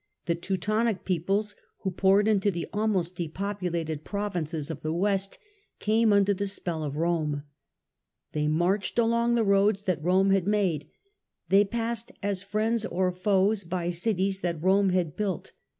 The Teutonic peoples peoples who poured into the almost depopulated pro vinces of the west came under the spell of Rome. They fy (ll/l r marched along the roads that Rome had made, they passed, as friends or foes, by cities that Rome had built.